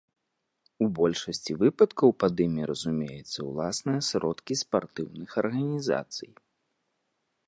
У большасці выпадкаў пад імі разумеюцца ўласныя сродкі спартыўных арганізацый.